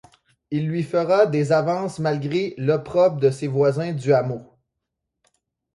Il lui fera des avances malgré l'opprobre de ses voisins du hameau.